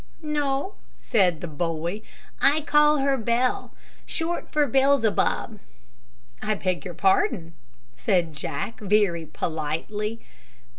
"No," said the boy; "I call her Bell, short for Bellzebub." "I beg your pardon," said Jack, very politely.